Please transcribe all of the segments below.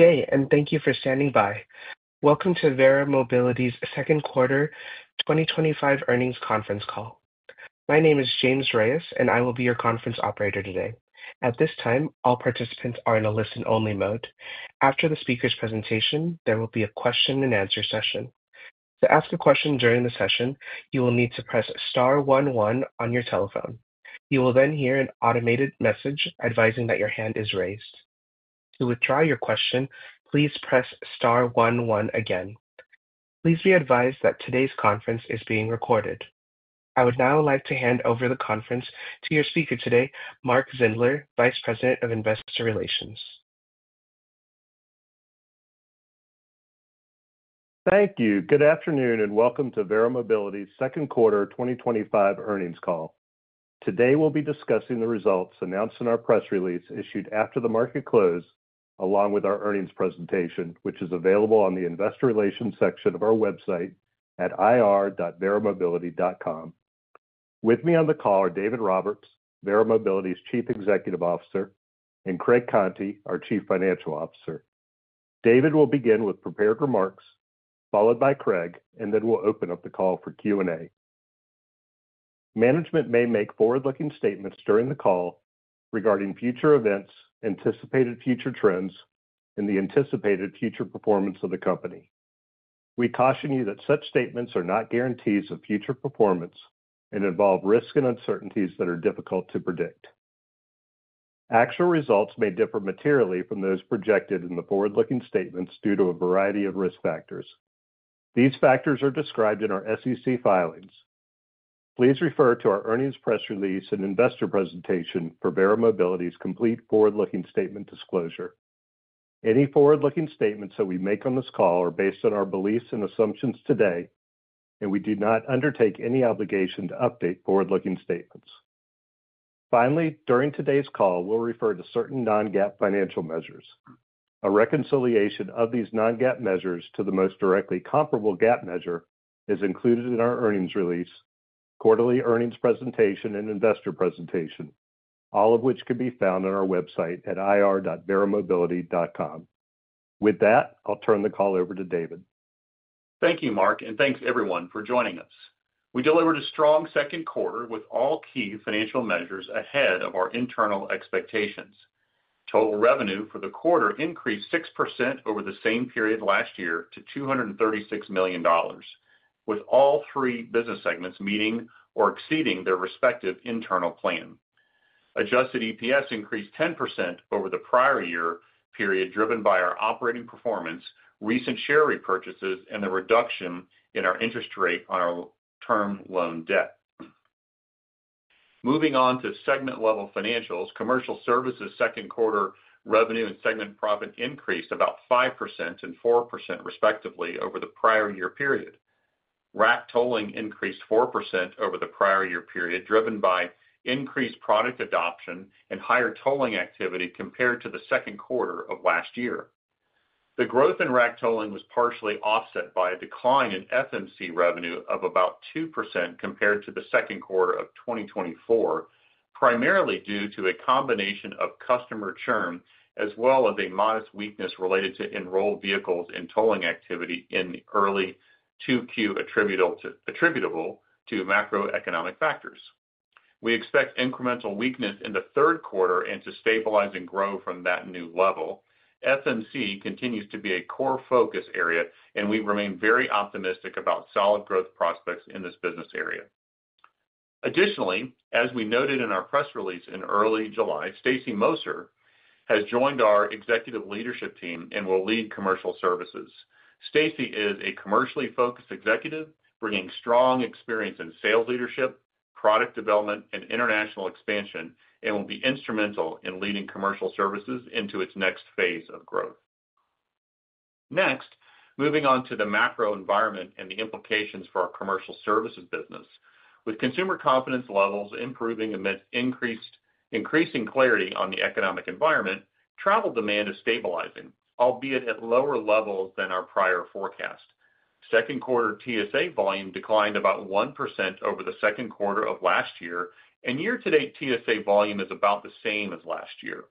Good day, and thank you for standing by. Welcome to Verra Mobility's Second Quarter 2025 Earnings Conference Call. My name is James Reyes, and I will be your conference operator today. At this time, all participants are in a listen-only mode. After the speaker's presentation, there will be a question and answer session. To ask a question during the session, you will need to press *11 on your telephone. You will then hear an automated message advising that your hand is raised. To withdraw your question, please press *11 again. Please be advised that today's conference is being recorded. I would now like to hand over the conference to your speaker today, Mark Zindler, Vice President of Investor Relations. Thank you. Good afternoon and welcome to Verra Mobility's Second Quarter 2025 Earnings Call. Today, we'll be discussing the results announced in our press release issued after the market close, along with our earnings presentation, which is available on the Investor Relations section of our website at ir.verramobility.com. With me on the call are David Roberts, Verra Mobility's Chief Executive Officer, and Craig Conti, our Chief Financial Officer. David will begin with prepared remarks, followed by Craig, and then we'll open up the call for Q&A. Management may make forward-looking statements during the call regarding future events, anticipated future trends, and the anticipated future performance of the company. We caution you that such statements are not guarantees of future performance and involve risks and uncertainties that are difficult to predict. Actual results may differ materially from those projected in the forward-looking statements due to a variety of risk factors. These factors are described in our SEC filings. Please refer to our earnings press release and investor presentation for Verra Mobility's complete forward-looking statement disclosure. Any forward-looking statements that we make on this call are based on our beliefs and assumptions today, and we do not undertake any obligation to update forward-looking statements. Finally, during today's call, we'll refer to certain non-GAAP financial measures. A reconciliation of these non-GAAP measures to the most directly comparable GAAP measure is included in our earnings release, quarterly earnings presentation, and investor presentation, all of which can be found on our website at ir.verramobility.com. With that, I'll turn the call over to David. Thank you, Mark, and thanks everyone for joining us. We delivered a strong second quarter with all key financial measures ahead of our internal expectations. Total revenue for the quarter increased 6% over the same period last year to $236 million, with all three business segments meeting or exceeding their respective internal plan. Adjusted EPS increased 10% over the prior year period, driven by our operating performance, recent share repurchases, and the reduction in our interest rate on our term loan debt. Moving on to segment-level financials, commercial services' second quarter revenue and segment profit increased about 5% and 4% respectively over the prior year period. RAC tolling increased 4% over the prior year period, driven by increased product adoption and higher tolling activity compared to the second quarter of last year. The growth in RAC tolling was partially offset by a decline in FMC revenue of about 2% compared to the second quarter of 2024, primarily due to a combination of customer churn as well as a modest weakness related to enrolled vehicles and tolling activity in early Q2 attributable to macro-economic factors. We expect incremental weakness in the third quarter and to stabilize and grow from that new level. FMC continues to be a core focus area, and we remain very optimistic about solid growth prospects in this business area. Additionally, as we noted in our press release in early July, Stacy Moser has joined our executive leadership team and will lead Commercial Services. Stacy is a commercially focused executive, bringing strong experience in sales leadership, product development, and international expansion, and will be instrumental in leading Commercial Services into its next phase of growth. Next, moving on to the macro environment and the implications for our Commercial Services business. With consumer confidence levels improving amid increasing clarity on the economic environment, travel demand is stabilizing, albeit at lower levels than our prior forecast. Second quarter TSA volume declined about 1% over the second quarter of last year, and year-to-date TSA volume is about the same as last year.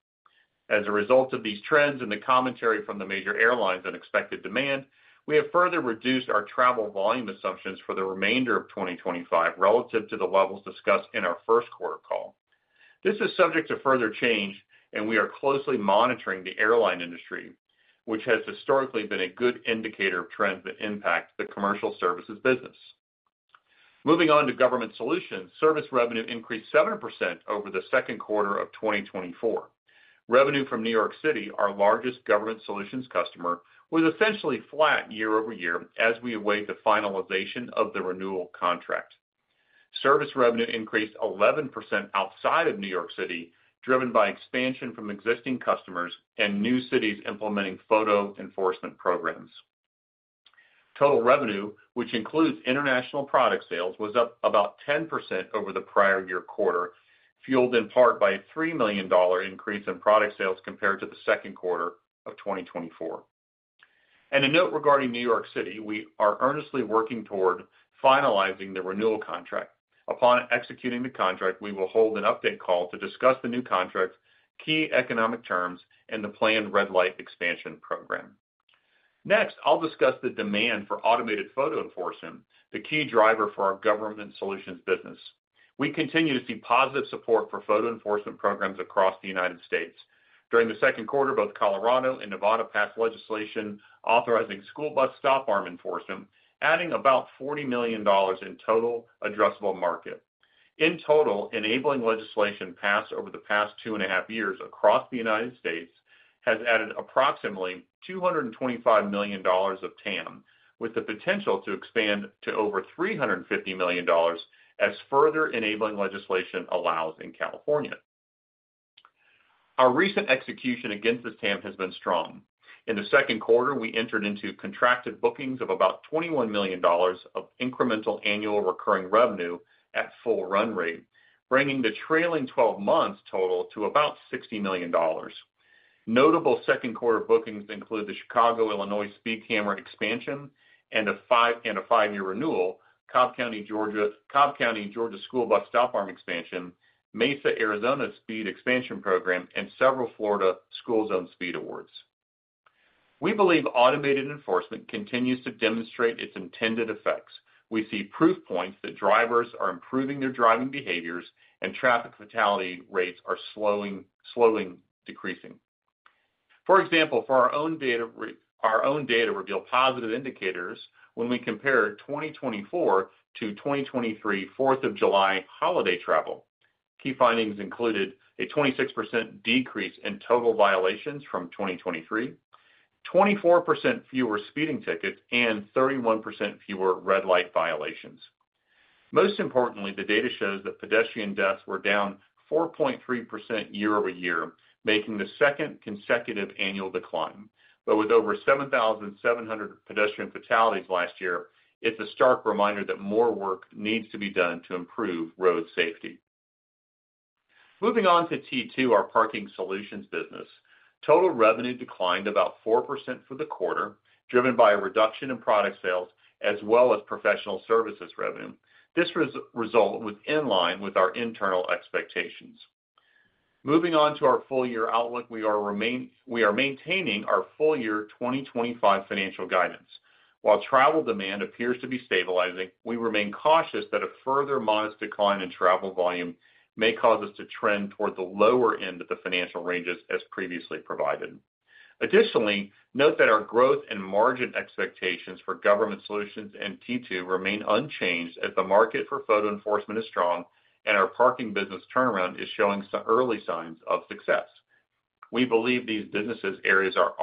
As a result of these trends and the commentary from the major airlines and expected demand, we have further reduced our travel volume assumptions for the remainder of 2025 relative to the levels discussed in our first quarter call. This is subject to further change, and we are closely monitoring the airline industry, which has historically been a good indicator of trends that impact the commercial services business. Moving on to government solutions, service revenue increased 7% over the second quarter of 2024. Revenue from New York City, our largest government solutions customer, was essentially flat year-over-year as we await the finalization of the renewal contract. Service revenue increased 11% outside of New York City, driven by expansion from existing customers and new cities implementing photo enforcement programs. Total revenue, which includes international product sales, was up about 10% over the prior year quarter, fueled in part by a $3 million increase in product sales compared to the second quarter of 2024. A note regarding New York City: we are earnestly working toward finalizing the renewal contract. Upon executing the contract, we will hold an update call to discuss the new contract's key economic terms and the planned red light expansion program. Next, I'll discuss the demand for automated photo enforcement, the key driver for our government solutions business. We continue to see positive support for photo enforcement programs across the United States. During the second quarter, both Colorado and Nevada passed legislation authorizing school bus stop arm enforcement, adding about $40 million in total addressable market. In total, enabling legislation passed over the past two and a half years across the United States has added approximately $225 million of TAM, with the potential to expand to over $350 million as further enabling legislation allows in California. Our recent execution against this TAM has been strong. In the second quarter, we entered into contracted bookings of about $21 million of incremental annual recurring revenue at full run rate, bringing the trailing 12 months total to about $60 million. Notable second quarter bookings include the Chicago, Illinois speed camera expansion and a five-year renewal, Cobb County, Georgia school bus stop arm expansion, Mesa, Arizona speed expansion program, and several Florida school zone speed awards. We believe automated enforcement continues to demonstrate its intended effects. We see proof points that drivers are improving their driving behaviors and traffic fatality rates are slowly decreasing. For example, our own data revealed positive indicators when we compare 2024 to 2023 Fourth of July holiday travel. Key findings included a 26% decrease in total violations from 2023, 24% fewer speeding tickets, and 31% fewer red light violations. Most importantly, the data shows that pedestrian deaths were down 4.3% year-over-year, making the second consecutive annual decline. With over 7,700 pedestrian fatalities last year, it's a stark reminder that more work needs to be done to improve road safety. Moving on to T2, our parking solutions business, total revenue declined about 4% for the quarter, driven by a reduction in product sales as well as professional services revenue. This result was in line with our internal expectations. Moving on to our full-year outlook, we are maintaining our full-year 2025 financial guidance. While travel demand appears to be stabilizing, we remain cautious that a further modest decline in travel volume may cause us to trend toward the lower end of the financial ranges as previously provided. Additionally, note that our growth and margin expectations for government solutions and T2 remain unchanged as the market for photo enforcement is strong and our parking business turnaround is showing some early signs of success. We believe these business areas are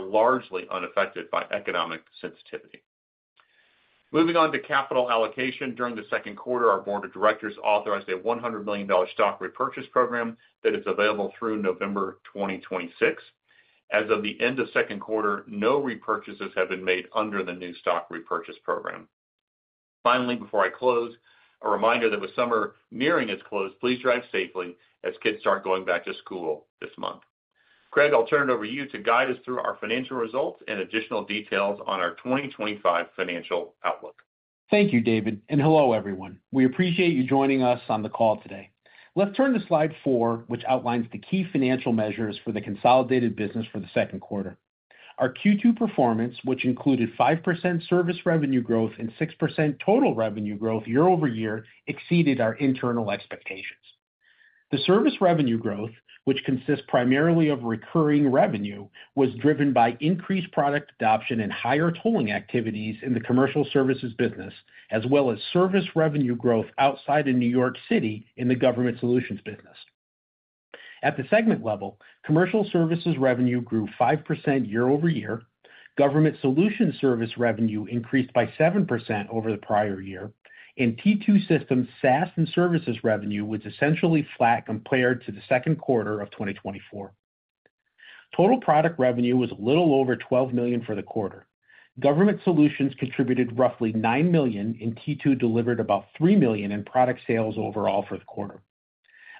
largely unaffected by economic sensitivity. Moving on to capital allocation, during the second quarter, our board of directors authorized a $100 million stock repurchase program that is available through November 2026. As of the end of the second quarter, no repurchases have been made under the new stock repurchase program. Finally, before I close, a reminder that with summer nearing its close, please drive safely as kids start going back to school this month. Craig, I'll turn it over to you to guide us through our financial results and additional details on our 2025 financial outlook. Thank you, David, and hello everyone. We appreciate you joining us on the call today. Let's turn to slide four, which outlines the key financial measures for the consolidated business for the second quarter. Our Q2 performance, which included 5% service revenue growth and 6% total revenue growth year-over-year, exceeded our internal expectations. The service revenue growth, which consists primarily of recurring revenue, was driven by increased product adoption and higher tolling activities in the commercial services business, as well as service revenue growth outside of New York City in the government solutions business. At the segment level, commercial services revenue grew 5% year-over-year, government solutions service revenue increased by 7% over the prior year, and T2 Systems SaaS and services revenue was essentially flat compared to the second quarter of 2024. Total product revenue was a little over $12 million for the quarter. Government solutions contributed roughly $9 million, and T2 delivered about $3 million in product sales overall for the quarter.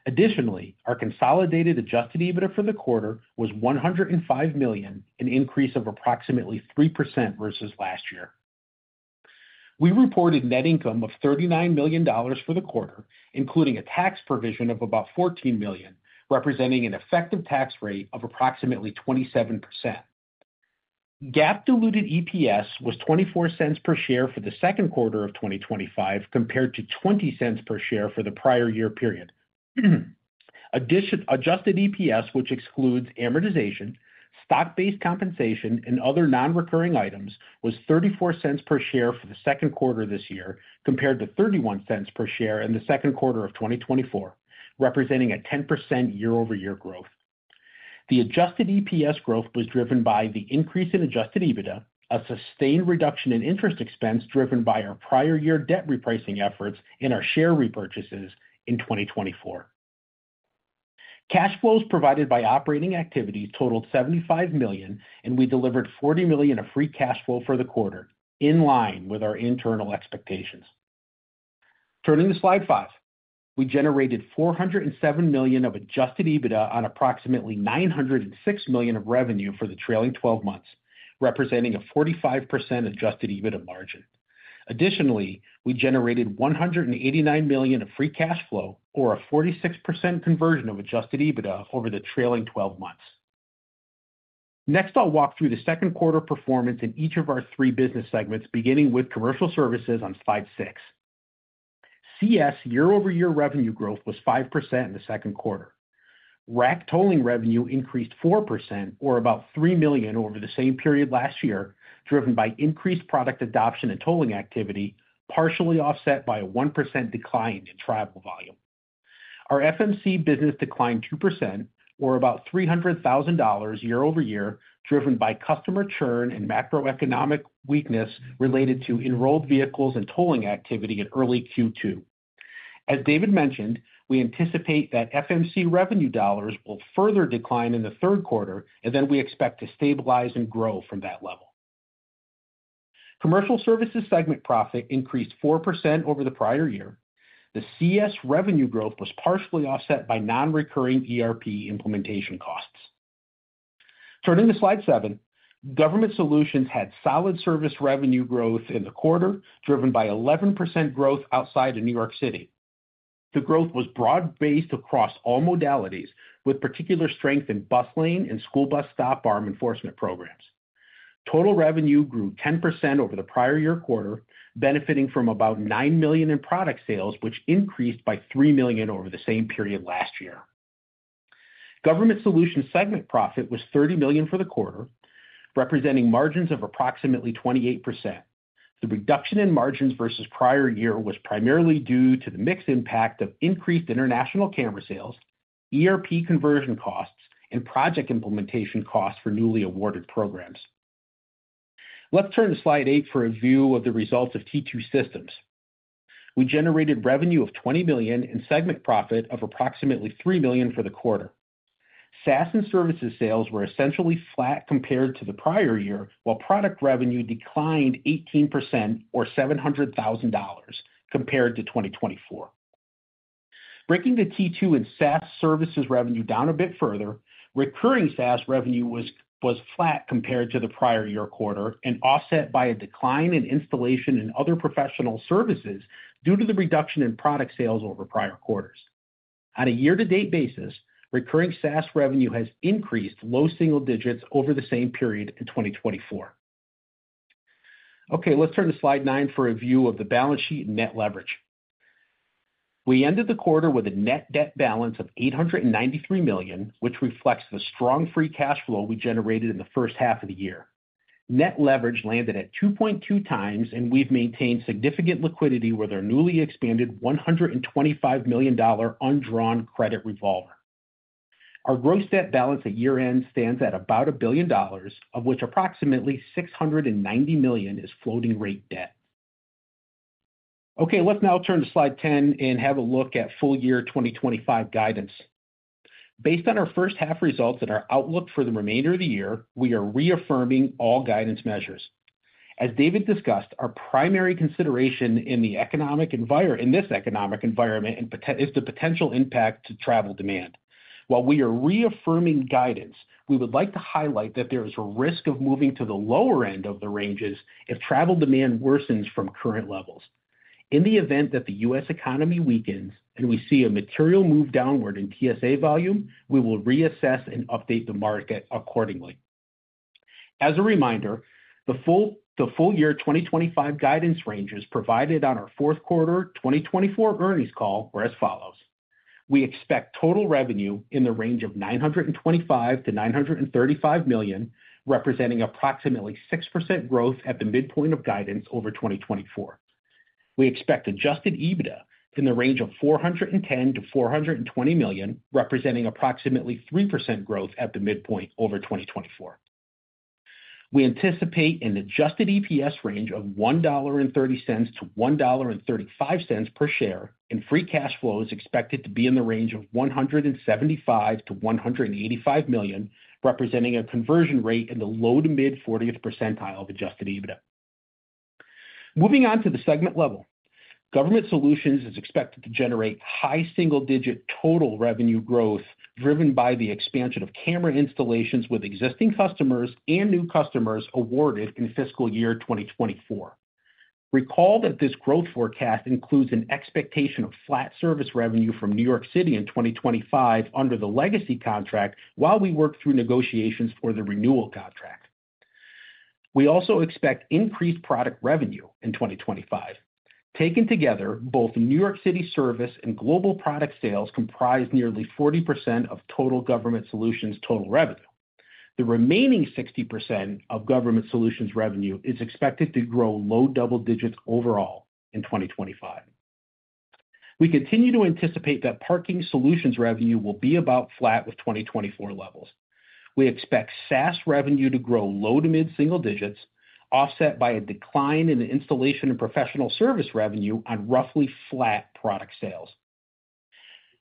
Additionally, our consolidated adjusted EBITDA for the quarter was $105 million, an increase of approximately 3% versus last year. We reported net income of $39 million for the quarter, including a tax provision of about $14 million, representing an effective tax rate of approximately 27%. GAAP-diluted EPS was $0.24 per share for the second quarter of 2025 compared to $0.20 per share for the prior year period. Adjusted EPS, which excludes amortization, stock-based compensation, and other non-recurring items, was $0.34 per share for the second quarter this year compared to $0.31 per share in the second quarter of 2024, representing a 10% year-over-year growth. The adjusted EPS growth was driven by the increase in adjusted EBITDA, a sustained reduction in interest expense driven by our prior year debt repricing efforts and our share repurchases in 2024. Cash flows provided by operating activities totaled $75 million, and we delivered $40 million of free cash flow for the quarter, in line with our internal expectations. Turning to slide five, we generated $407 million of adjusted EBITDA on approximately $906 million of revenue for the trailing 12 months, representing a 45% adjusted EBITDA margin. Additionally, we generated $189 million of free cash flow, or a 46% conversion of adjusted EBITDA over the trailing 12 months. Next, I'll walk through the second quarter performance in each of our three business segments, beginning with Commercial Services on slide six. CS year-over-year revenue growth was 5% in the second quarter. RAC tolling revenue increased 4%, or about $3 million over the same period last year, driven by increased product adoption and tolling activity, partially offset by a 1% decline in travel volume. Our FMC business declined 2%, or about $300,000 year-over-year, driven by customer churn and macro-economic weakness related to enrolled vehicles and tolling activity in early Q2. As David mentioned, we anticipate that FMC revenue dollars will further decline in the third quarter, and then we expect to stabilize and grow from that level. Commercial Services segment profit increased 4% over the prior year. The CS revenue growth was partially offset by non-recurring ERP implementation costs. Turning to slide seven, Government Solutions had solid service revenue growth in the quarter, driven by 11% growth outside of New York City. The growth was broad-based across all modalities, with particular strength in bus lane and school bus stop arm enforcement programs. Total revenue grew 10% over the prior year quarter, benefiting from about $9 million in product sales, which increased by $3 million over the same period last year. Government Solutions segment profit was $30 million for the quarter, representing margins of approximately 28%. The reduction in margins versus prior year was primarily due to the mixed impact of increased international camera sales, ERP implementation costs, and project implementation costs for newly awarded programs. Let's turn to slide eight for a view of the results of T2 Systems. We generated revenue of $20 million and segment profit of approximately $3 million for the quarter. SaaS and services sales were essentially flat compared to the prior year, while product revenue declined 18%, or $700,000, compared to 2024. Breaking the T2 and SaaS services revenue down a bit further, recurring SaaS revenue was flat compared to the prior year quarter and offset by a decline in installation and other professional services due to the reduction in product sales over prior quarters. On a year-to-date basis, recurring SaaS revenue has increased low single digits over the same period in 2024. Okay, let's turn to slide nine for a view of the balance sheet and net leverage. We ended the quarter with a net debt balance of $893 million, which reflects the strong free cash flow we generated in the first half of the year. Net leverage landed at 2.2x, and we've maintained significant liquidity with our newly expanded $125 million undrawn credit revolver. Our gross debt balance at year-end stands at about $1 billion, of which approximately $690 million is floating rate debt. Okay, let's now turn to slide 10 and have a look at full-year 2025 guidance. Based on our first half results and our outlook for the remainder of the year, we are reaffirming all guidance measures. As David discussed, our primary consideration in this economic environment is the potential impact to travel demand. While we are reaffirming guidance, we would like to highlight that there is a risk of moving to the lower end of the ranges if travel demand worsens from current levels. In the event that the U.S. economy weakens and we see a material move downward in TSA volume, we will reassess and update the market accordingly. As a reminder, the full-year 2025 guidance ranges provided on our fourth quarter 2024 earnings call were as follows. We expect total revenue in the range of $925 million-$935 million, representing approximately 6% growth at the midpoint of guidance over 2024. We expect adjusted EBITDA in the range of $410 million-$420 million, representing approximately 3% growth at the midpoint over 2024. We anticipate an adjusted EPS range of $1.30-$1.35 per share, and free cash flow is expected to be in the range of $175 million-$185 million, representing a conversion rate in the low to mid-40% of adjusted EBITDA. Moving on to the segment level, government solutions is expected to generate high single-digit total revenue growth, driven by the expansion of camera installations with existing customers and new customers awarded in fiscal year 2024. Recall that this growth forecast includes an expectation of flat service revenue from New York City in 2025 under the legacy contract while we work through negotiations for the renewal contract. We also expect increased product revenue in 2025. Taken together, both New York City service and global product sales comprise nearly 40% of total government solutions total revenue. The remaining 60% of government solutions revenue is expected to grow low double digits overall in 2025. We continue to anticipate that parking solutions revenue will be about flat with 2024 levels. We expect SaaS revenue to grow low to mid-single digits, offset by a decline in installation and professional service revenue on roughly flat product sales.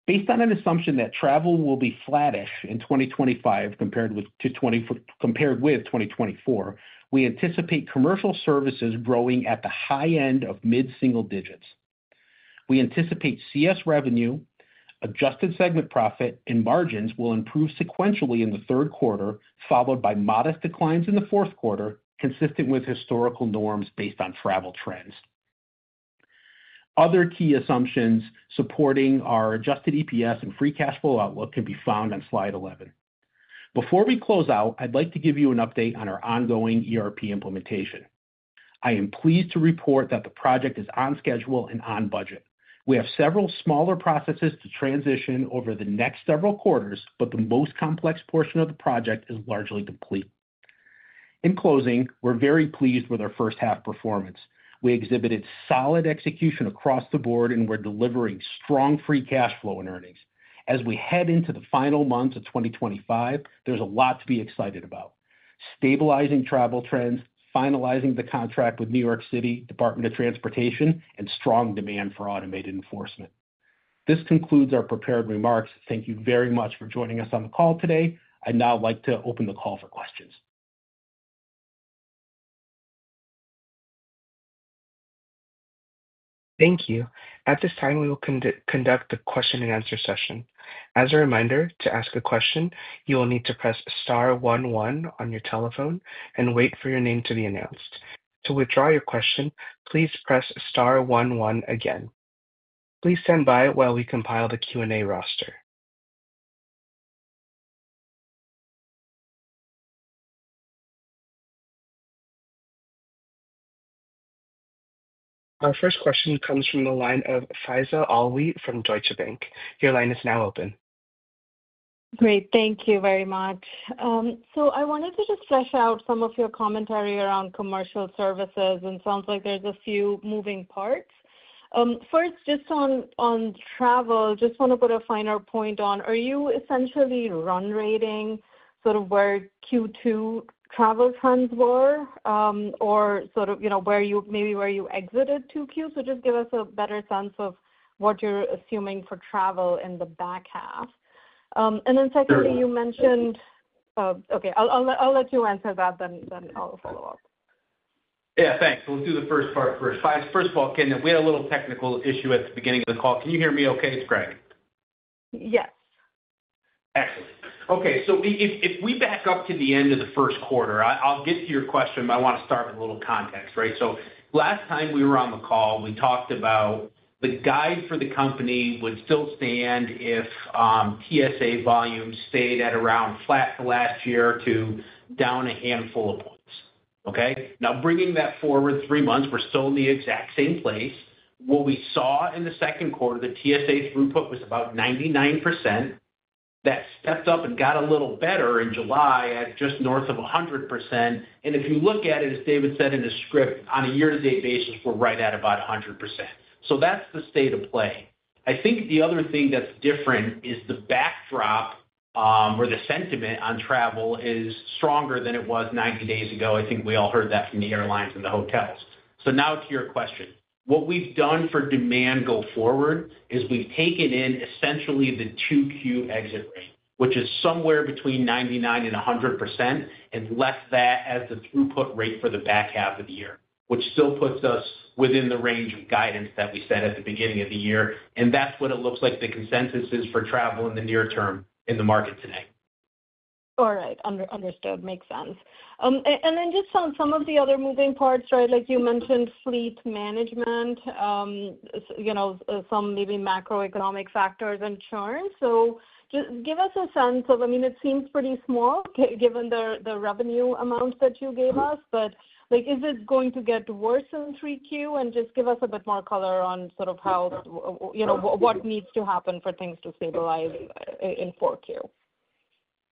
Based on an assumption that travel will be flattish in 2025 compared with 2024, we anticipate commercial services growing at the high end of mid-single digits. We anticipate CS revenue, adjusted segment profit, and margins will improve sequentially in the third quarter, followed by modest declines in the fourth quarter, consistent with historical norms based on travel trends. Other key assumptions supporting our adjusted EPS and free cash flow outlook can be found on slide 11. Before we close out, I'd like to give you an update on our ongoing ERP implementation. I am pleased to report that the project is on schedule and on budget. We have several smaller processes to transition over the next several quarters, but the most complex portion of the project is largely complete. In closing, we're very pleased with our first half performance. We exhibited solid execution across the board and were delivering strong free cash flow and earnings. As we head into the final months of 2025, there's a lot to be excited about: stabilizing travel trends, finalizing the contract with New York City Department of Transportation, and strong demand for automated enforcement. This concludes our prepared remarks. Thank you very much for joining us on the call today. I'd now like to open the call for questions. Thank you. At this time, we will conduct the question and answer session. As a reminder, to ask a question, you will need to press *11 on your telephone and wait for your name to be announced. To withdraw your question, please press *11 again. Please stand by while we compile the Q&A roster. Our first question comes from the line of Faiza Alwy from Deutsche Bank. Your line is now open. Great, thank you very much. I wanted to just flesh out some of your commentary around commercial services, and it sounds like there's a few moving parts. First, just on travel, I just want to put a finer point on, are you essentially run rating sort of where Q2 travel trends were or where you maybe where you exited 2Q? Just give us a better sense of what you're assuming for travel in the back half. You mentioned, okay, I'll let you answer that, then I'll follow up. Yeah, thanks. We'll do the first part first. First of all, we had a little technical issue at the beginning of the call. Can you hear me okay? It's Craig. Yes. Excellent. Okay, if we back up to the end of the first quarter, I'll get to your question, but I want to start with a little context, right? Last time we were on the call, we talked about the guide for the company would still stand if TSA volumes stayed at around flat for the last year or two, down a handful of points. Now bringing that forward three months, we're still in the exact same place. What we saw in the second quarter, the TSA throughput was about 99%. That stepped up and got a little better in July at just north of 100%. If you look at it, as David said in his script, on a year-to-date basis, we're right at about 100%. That's the state of play. I think the other thing that's different is the backdrop or the sentiment on travel is stronger than it was 90 days ago. I think we all heard that from the airlines and the hotels. To your question, what we've done for demand going forward is we've taken in essentially the 2Q exit rate, which is somewhere between 99% and 100%, and left that as the throughput rate for the back half of the year, which still puts us within the range of guidance that we set at the beginning of the year. That's what it looks like the consensus is for travel in the near term in the market today. All right, understood. Makes sense. Just on some of the other moving parts, like you mentioned fleet management, you know, some maybe macro-economic factors and churn. Just give us a sense of, I mean, it seems pretty small given the revenue amounts that you gave us, but like, is this going to get worse in 3Q? Just give us a bit more color on sort of how, you know, what needs to happen for things to stabilize in 4Q.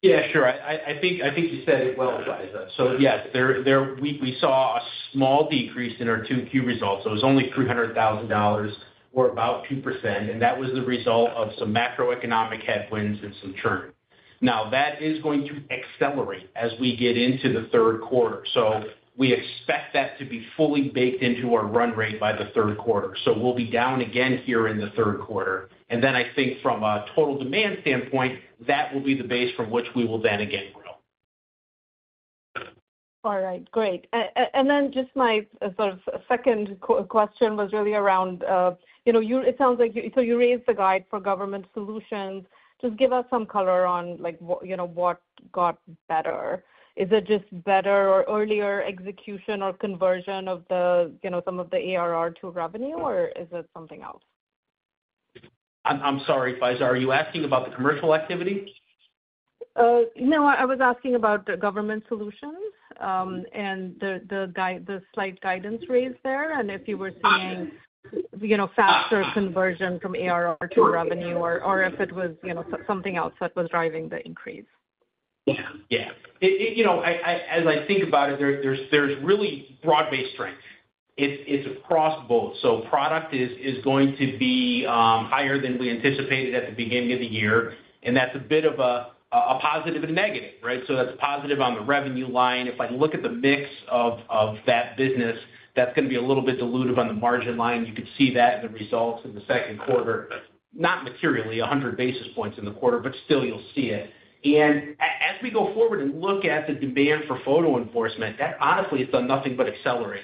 Yeah, sure. I think you said it well, Faiza. We saw a small decrease in our 2Q results. It was only $300,000 or about 2%. That was the result of some macro-economic headwinds and some churn. That is going to accelerate as we get into the third quarter. We expect that to be fully baked into our run rate by the third quarter. We'll be down again here in the third quarter. I think from a total demand standpoint, that will be the base from which we will then again. All right, great. My sort of second question was really around, you know, it sounds like you raised the guide for government solutions. Just give us some color on like, you know, what got better. Is it just better or earlier execution or conversion of the, you know, some of the ARR to revenue or is it something else? I'm sorry, Faiza, are you asking about the commercial activity? No, I was asking about government solutions and the slight guidance raised there. If you were seeing faster conversion from ARR to revenue or if it was something else that was driving the increase. Yeah, yeah. As I think about it, there's really broad-based strength. It's across both. Product is going to be higher than we anticipated at the beginning of the year, and that's a bit of a positive and negative, right? That's a positive on the revenue line. If I look at the mix of that business, that's going to be a little bit diluted on the margin line. You could see that in the results in the second quarter, not materially, 100 basis points in the quarter, but still you'll see it. As we go forward and look at the demand for photo enforcement, that honestly has done nothing but accelerate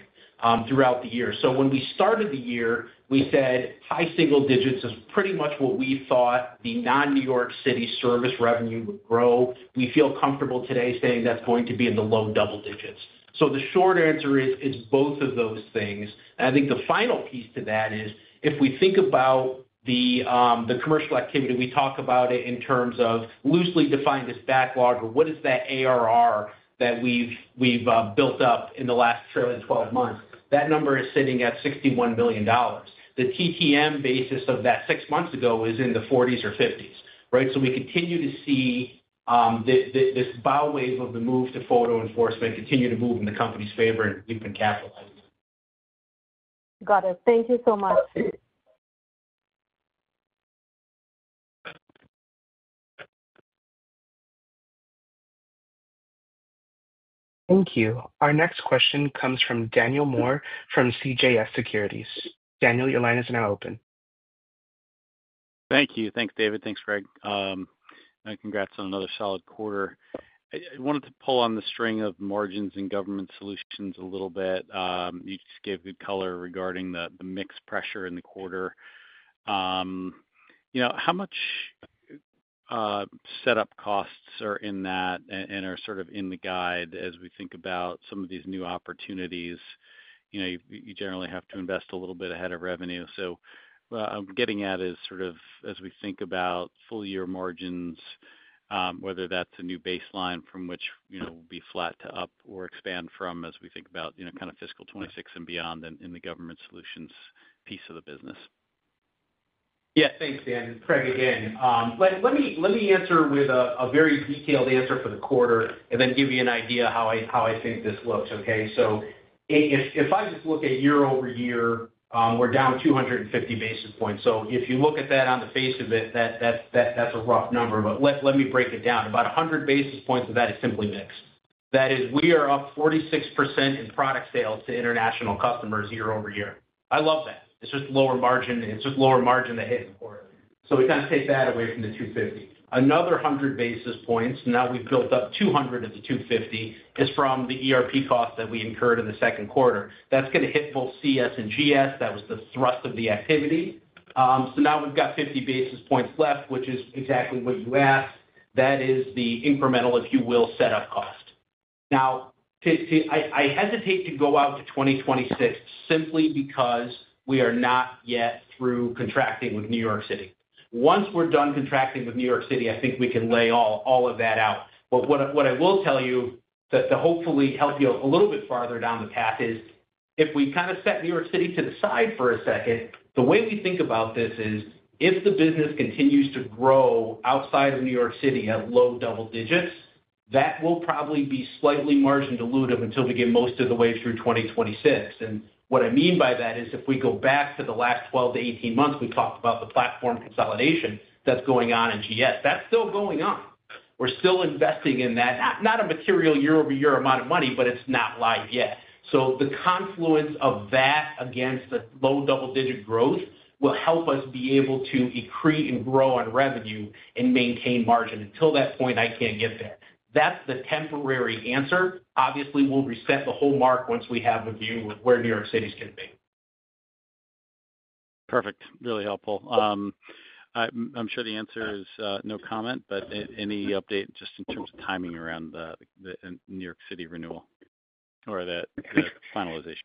throughout the year. When we started the year, we said high single digits is pretty much what we thought the non-New York City service revenue would grow. We feel comfortable today saying that's going to be in the low double digits. The short answer is it's both of those things. I think the final piece to that is if we think about the commercial activity, we talk about it in terms of loosely defined as backlog or what is that ARR that we've built up in the last trailing 12 months. That number is sitting at $61 million. The TTM basis of that six months ago is in the 40s or 50s, right? We continue to see this bow wave of the move to photo enforcement continue to move in the company's favor and we've been capitalizing on it. Got it. Thank you so much. Thank you. Our next question comes from Daniel Moore from CJS Securities. Daniel, your line is now open. Thank you. Thanks, David. Thanks, Craig. Congrats on another solid quarter. I wanted to pull on the string of margins and government solutions a little bit. You just gave good color regarding the mixed pressure in the quarter. How much setup costs are in that and are sort of in the guide as we think about some of these new opportunities? You generally have to invest a little bit ahead of revenue. What I'm getting at is as we think about full-year margins, whether that's a new baseline from which will be flat to up or expand from as we think about fiscal 2026 and beyond in the government solutions piece of the business. Yeah, thanks, Dan. Craig, again. Let me answer with a very detailed answer for the quarter and then give you an idea of how I think this looks, okay? If I just look at year-over-year, we're down 250 basis points. If you look at that on the face of it, that's a rough number, but let me break it down. About 100 basis points of that is simply mix. That is, we are up 46% in product sales to international customers year-over-year. I love that. It's just lower margin. It's just lower margin that hit in the quarter. We kind of take that away from the 250. Another 100 basis points, now we've built up 200 of the 250, is from the ERP cost that we incurred in the second quarter. That's going to hit both CS and GS. That was the thrust of the activity. Now we've got 50 basis points left, which is exactly what you asked. That is the incremental, if you will, setup cost. Now, I hesitate to go out to 2026 simply because we are not yet through contracting with New York City. Once we're done contracting with New York City, I think we can lay all of that out. What I will tell you to hopefully help you a little bit farther down the path is if we kind of set New York City to the side for a second, the way we think about this is if the business continues to grow outside of New York City at low double digits, that will probably be slightly margin diluted until we get most of the way through 2026. What I mean by that is if we go back to the last 12-18 months, we talked about the platform consolidation that's going on in GS. That's still going on. We're still investing in that. Not a material year-over-year amount of money, but it's not live yet. The confluence of that against the low double-digit growth will help us be able to accrete and grow on revenue and maintain margin. Until that point, I can't get there. That's the temporary answer. Obviously, we'll reset the whole mark once we have a view of where New York City is going to be. Perfect. Really helpful. I'm sure the answer is no comment, but any update just in terms of timing around the New York City renewal or the finalization?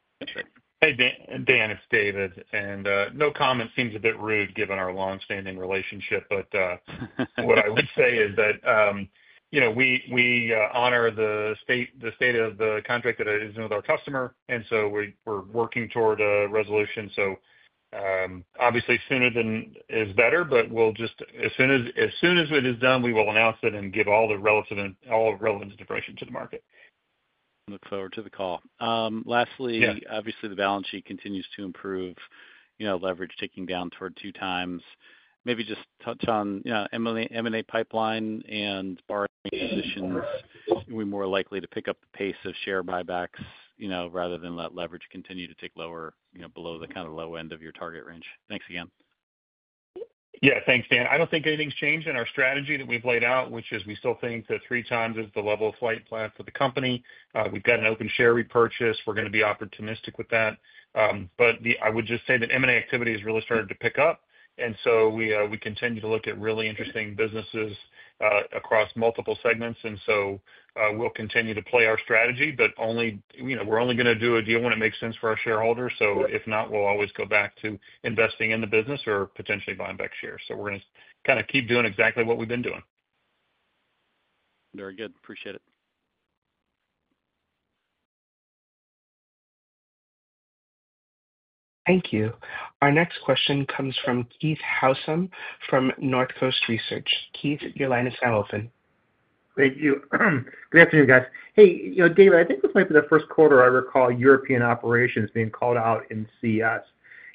Hey, Dan, it's David. No comment seems a bit rude given our longstanding relationship, but what I would say is that we honor the state of the contract that is with our customer, and we're working toward a resolution. Obviously, sooner than is better, but as soon as it is done, we will announce it and give all the relevant information to the market. Look forward to the call. Lastly, obviously, the balance sheet continues to improve. You know, leverage ticking down toward 2x. Maybe just touch on, you know, M&A pipeline and bargaining positions. Are we more likely to pick up the pace of share buybacks, you know, rather than let leverage continue to tick lower, you know, below the kind of low end of your target range? Thanks again. Yeah, thanks, Dan. I don't think anything's changed in our strategy that we've laid out, which is we still think that 3x is the level of flight plan for the company. We've got an open share repurchase. We're going to be opportunistic with that. I would just say that M&A activity has really started to pick up, and we continue to look at really interesting businesses across multiple segments. We'll continue to play our strategy, but only, you know, we're only going to do a deal when it makes sense for our shareholders. If not, we'll always go back to investing in the business or potentially buying back shares. We're going to kind of keep doing exactly what we've been doing. Very good. Appreciate it. Thank you. Our next question comes from Keith Housum from Northcoast Research. Keith, your line is now open. Thank you. Good afternoon, guys. Hey, you know, David, I think this might be the first quarter I recall European operations being called out in CS.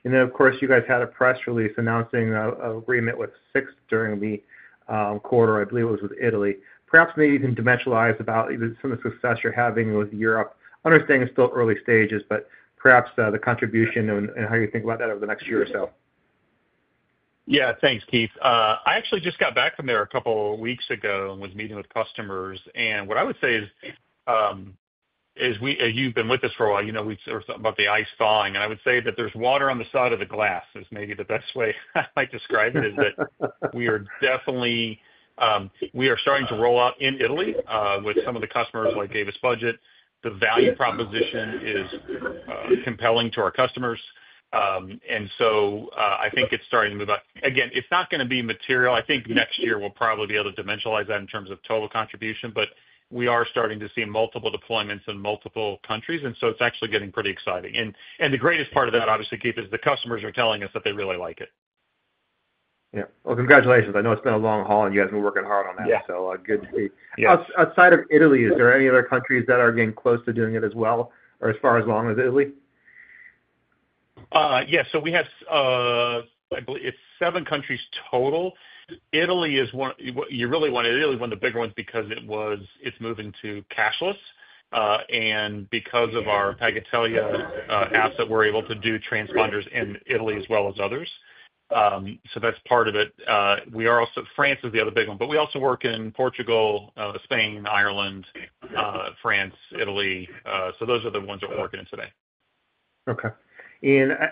You guys had a press release announcing an agreement with Sixt during the quarter. I believe it was with Italy. Perhaps you can dementialize about some of the success you're having with Europe. Understanding it's still early stages, but perhaps the contribution and how you think about that over the next year or so. Yeah, thanks, Keith. I actually just got back from there a couple of weeks ago and was meeting with customers. What I would say is, as you've been with us for a while, you know we've sort of talked about the ice thawing. I would say that there's water on the side of the glass is maybe the best way I might describe it, that we are definitely starting to roll out in Italy with some of the customers like [David's budget]. The value proposition is compelling to our customers, and I think it's starting to move up. It's not going to be material. I think next year we'll probably be able to dementialize that in terms of total contribution, but we are starting to see multiple deployments in multiple countries. It's actually getting pretty exciting. The greatest part of that, obviously, Keith, is the customers are telling us that they really like it. Congratulations. I know it's been a long haul and you guys have been working hard on that. Good to see. Outside of Italy, is there any other countries that are getting close to doing it as well or as far along as Italy? Yeah, we have, I believe it's seven countries total. Italy is one, you really want it. Italy is one of the bigger ones because it's moving to [Caselle's]. Because of our Pagatelia asset, we're able to do transponders in Italy as well as others. That's part of it. France is the other big one, but we also work in Portugal, Spain, Ireland, France, Italy. Those are the ones we're working in today. Okay.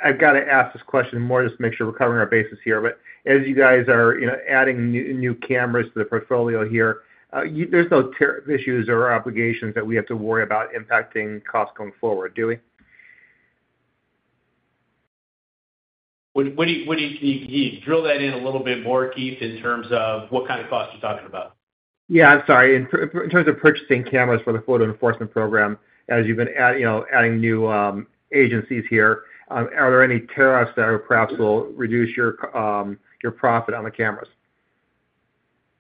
I've got to ask this question just to make sure we're covering our bases here. As you guys are adding new cameras to the portfolio here, there's no tariff issues or obligations that we have to worry about impacting costs going forward, do we? What do you mean? Can you drill that in a little bit more, Keith, in terms of what kind of costs you're talking about? In terms of purchasing cameras for the photo enforcement program, as you've been adding new agencies here, are there any tariffs that perhaps will reduce your profit on the cameras?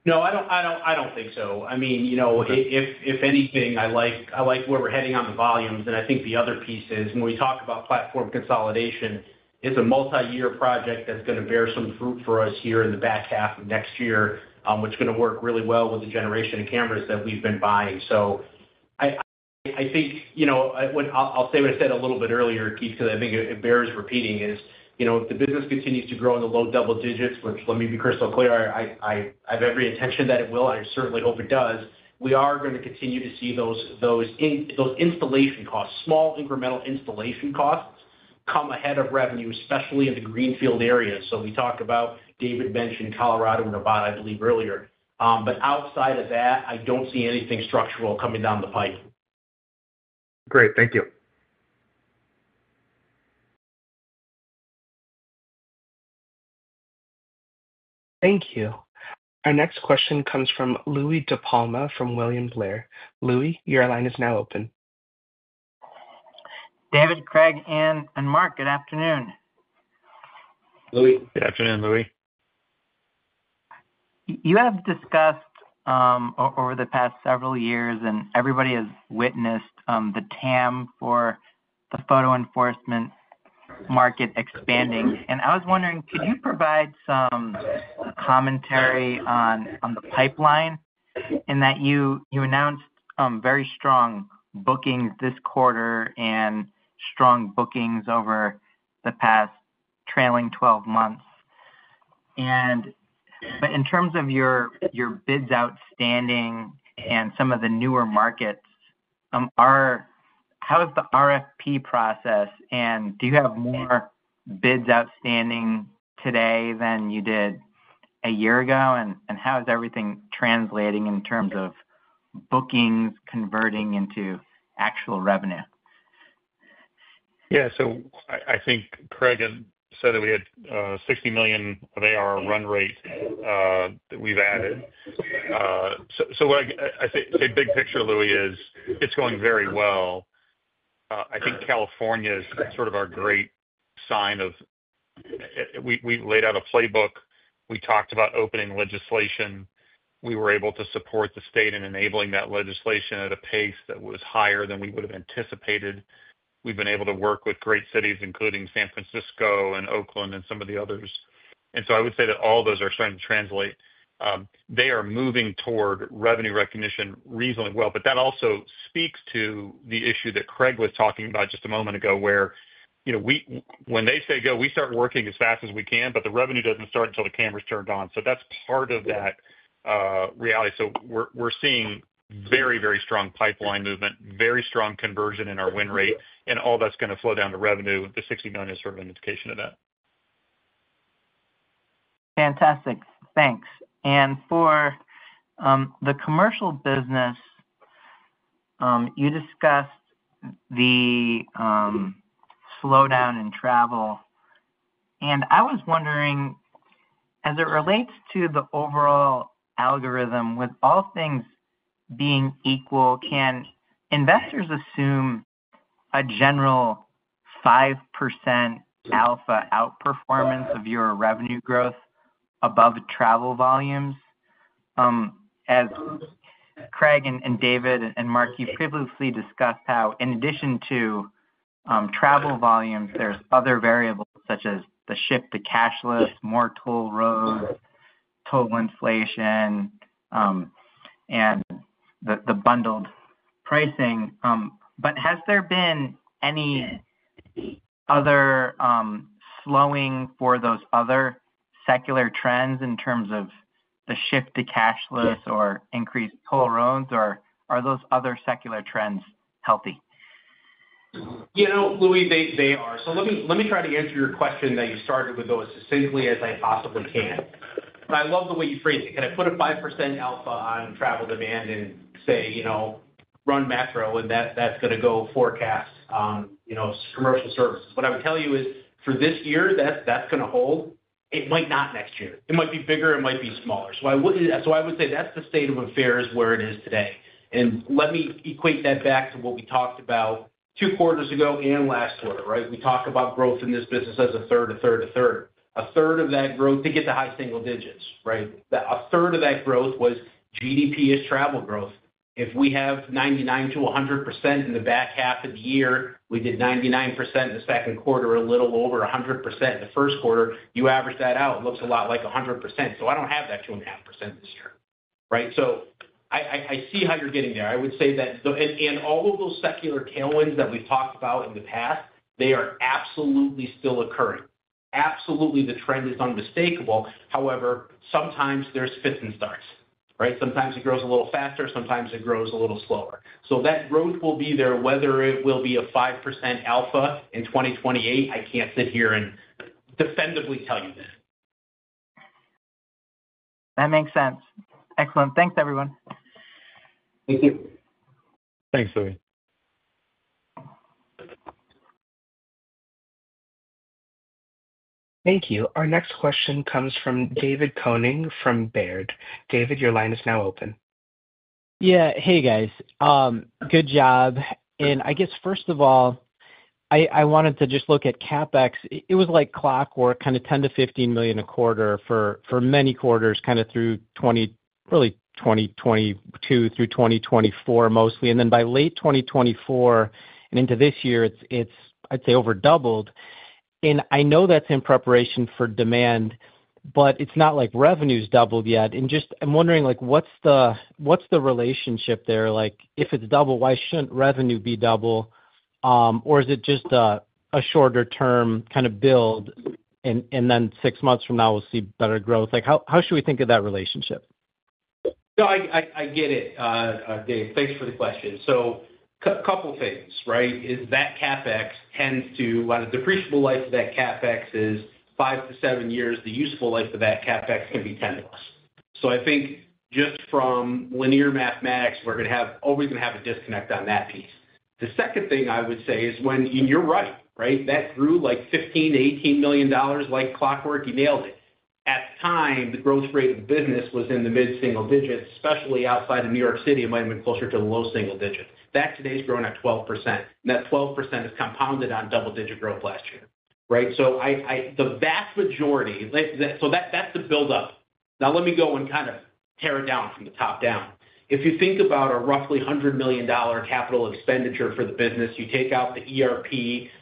No, I don't think so. I mean, if anything, I like where we're heading on the volumes. I think the other piece is when we talk about platform consolidation, it's a multi-year project that's going to bear some fruit for us here in the back half of next year, which is going to work really well with the generation of cameras that we've been buying. I think, I'll say what I said a little bit earlier, Keith, because I think it bears repeating, if the business continues to grow in the low double digits, which let me be crystal clear, I have every intention that it will, and I certainly hope it does, we are going to continue to see those installation costs, small incremental installation costs, come ahead of revenue, especially in the greenfield areas. We talk about, David mentioned Colorado and Nevada, I believe, earlier. Outside of that, I don't see anything structural coming down the pipe. Great, thank you. Thank you. Our next question comes from Louis DePalma from William Blair. Louis, your line is now open. David, Craig, and Mark, good afternoon. Louis, good afternoon, Louis. You have discussed over the past several years, and everybody has witnessed the TAM for the photo enforcement market expanding. I was wondering, could you provide some commentary on the pipeline? You announced very strong bookings this quarter and strong bookings over the past trailing 12 months. In terms of your bids outstanding and some of the newer markets, how is the RFP process? Do you have more bids outstanding today than you did a year ago? How is everything translating in terms of bookings converting into actual revenue? Yeah, so I think Craig said that we had $60 million of ARR run rate that we've added. What I think the big picture, Louie, is it's going very well. I think California is sort of our great sign of we laid out a playbook. We talked about opening legislation. We were able to support the state in enabling that legislation at a pace that was higher than we would have anticipated. We've been able to work with great cities, including San Francisco and Oakland and some of the others. I would say that all those are starting to translate. They are moving toward revenue recognition reasonably well, but that also speaks to the issue that Craig was talking about just a moment ago where, you know, when they say go, we start working as fast as we can, but the revenue doesn't start until the camera's turned on. That's part of that reality. We're seeing very, very strong pipeline movement, very strong conversion in our win rate, and all that's going to flow down to revenue. The $60 million is sort of an indication of that. Fantastic. Thanks. For the commercial business, you discussed the slowdown in travel. I was wondering, as it relates to the overall algorithm, with all things being equal, can investors assume a general 5% alpha outperformance of your revenue growth above travel volumes? As Craig, David, and Mark, you previously discussed how in addition to travel volumes, there's other variables such as the shift to cashless, more toll roads, total inflation, and the bundled pricing. Has there been any other slowing for those other secular trends in terms of the shift to cashless or increased toll roads, or are those other secular trends healthy? You know, Louis, they are. Let me try to answer your question that you started with as succinctly as I possibly can. I love the way you phrased it. Can I put a 5% alpha on travel demand and say, you know, run macro, and that's going to go forecast on, you know, commercial services? What I'm telling you is for this year, that's going to hold. It might not next year. It might be bigger. It might be smaller. I would say that's the state of affairs where it is today. Let me equate that back to what we talked about two quarters ago and last quarter, right? We talk about growth in this business as 1/3, 1/3, 1/3. 1/3 of that growth to get to high single digits, right? 1/3 of that growth was GDP as travel growth. If we have 99% to 100% in the back half of the year, we did 99% in the second quarter, a little over 100% in the first quarter. You average that out, it looks a lot like 100%. I don't have that 2.5% this year, right? I see how you're getting there. I would say that, and all of those secular tailwinds that we've talked about in the past, they are absolutely still occurring. Absolutely, the trend is unmistakable. However, sometimes there's fits and starts, right? Sometimes it grows a little faster. Sometimes it grows a little slower. That growth will be there, whether it will be a 5% alpha in 2028. I can't sit here and definitively tell you that. That makes sense. Excellent. Thanks, everyone. Thank you. Thanks, Louis. Thank you. Our next question comes from David Koning from Baird. David, your line is now open. Yeah, hey guys. Good job. First of all, I wanted to just look at CapEx. It was like clockwork, kind of $10 million-$15 million a quarter for many quarters, kind of through 2022 through 2024 mostly. By late 2024 and into this year, it's, I'd say, over doubled. I know that's in preparation for demand, but it's not like revenue's doubled yet. I'm wondering, what's the relationship there? If it's double, why shouldn't revenue be double? Is it just a shorter-term kind of build, and then six months from now, we'll see better growth? How should we think of that relationship? No, I get it. Dave, thanks for the question. A couple of things, right? CapEx tends to, on a depreciable life of that CapEx, is five to seven years. The useful life of that CapEx can be 10 years. I think just from linear mathematics, we're always going to have a disconnect on that piece. The second thing I would say is, and you're right, right? That grew like $15 million, $18 million like clockwork. You nailed it. At the time, the growth rate of the business was in the mid-single digits, especially outside of New York City. It might have been closer to the low single digits. Back today, it's grown at 12%. That 12% is compounded on double-digit growth last year, right? The vast majority, so that's the buildup. Now let me go and kind of tear it down from the top down. If you think about a roughly $100 million capital expenditure for the business, you take out the ERP,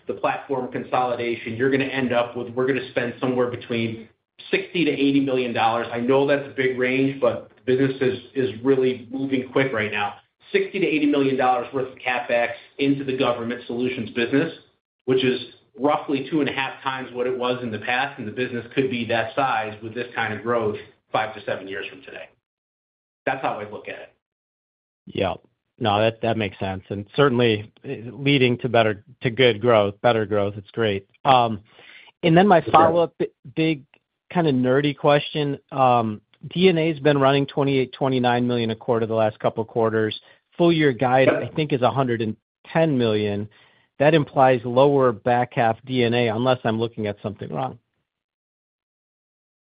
the platform consolidation, you're going to end up with, we're going to spend somewhere between $60 million-$80 million. I know that's a big range, but the business is really moving quick right now. $60 million-$80 million worth of CapEx into the government solutions business, which is roughly two and a half times what it was in the past. The business could be that size with this kind of growth five to seven years from today. That's how I look at it. Yeah, no, that makes sense. Certainly leading to better, to good growth, better growth. It's great. My follow-up big kind of nerdy question. D&A's been running $28 million, $29 million a quarter the last couple of quarters. Full-year guide, I think, is $110 million. That implies lower back half D&A, unless I'm looking at something wrong.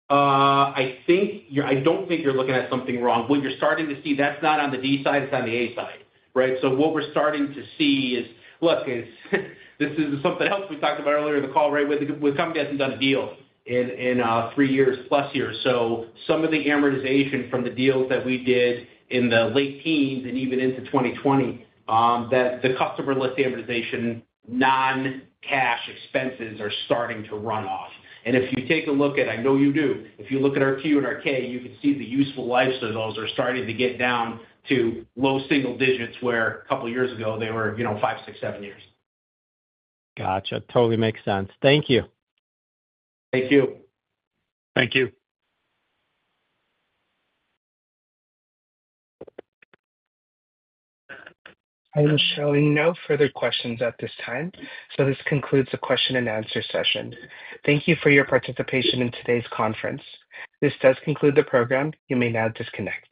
I don't think you're looking at something wrong. What you're starting to see, that's not on the D side, it's on the A side, right? What we're starting to see is, this is something else we talked about earlier in the call, right? With the company, I think, done a deal in three years, plus years. Some of the amortization from the deals that we did in the late teens and even into 2020, that the customer lets the amortization, non-cash expenses are starting to run off. If you take a look at, I know you do, if you look at our Q and our K, you can see the useful life styles are starting to get down to low single digits where a couple of years ago they were, you know, five, six, seven years. Gotcha. Totally makes sense. Thank you. Thank you. Thank you. I am showing no further questions at this time. This concludes the question and answer session. Thank you for your participation in today's conference. This does conclude the program. You may now disconnect.